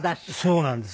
そうなんです。